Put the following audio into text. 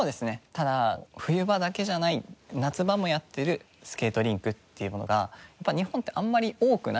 ただ冬場だけじゃない夏場もやってるスケートリンクっていうものが日本ってあんまり多くないんですね。